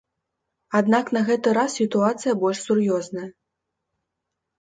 Аднак на гэты раз сітуацыя больш сур'ёзная.